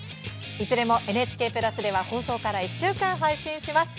いずれもＮＨＫプラスでは放送から１週間、配信します。